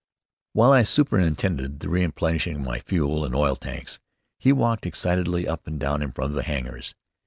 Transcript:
While I superintended the replenishing of my fuel and oil tanks he walked excitedly up and down in front of the hangars.